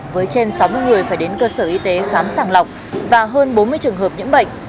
với trên sáu mươi người phải đến cơ sở y tế khám sàng lọc và hơn bốn mươi trường hợp nhiễm bệnh